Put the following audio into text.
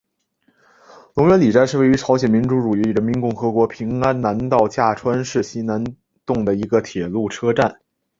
龙源里站是位于朝鲜民主主义人民共和国平安南道价川市西南洞的一个铁路车站。